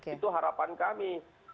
itu harapan kami